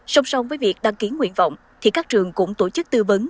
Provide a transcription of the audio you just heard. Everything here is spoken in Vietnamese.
song song với việc đăng ký nguyện vọng thì các trường cũng tổ chức tư vấn